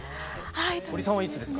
保里さんはいつですか？